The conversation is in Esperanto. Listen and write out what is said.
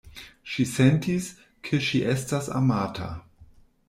Ŝi sentis, ke ŝi estas amata.